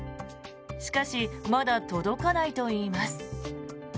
しかしまだ届かないといいます。